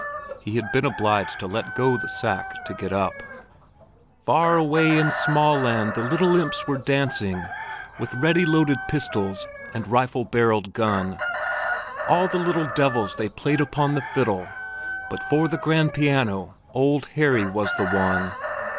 He had been obliged to let go the sack to get up. "Far away in Smaaland the little imps were dancing With ready loaded pistol and rifle barrelled gun; All the little devils they played upon the fiddle, But for the grand piano Old Harry was the one."